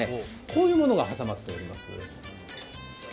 こういうものが挟まっております。